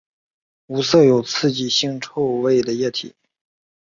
无色有刺激腥臭味的液体。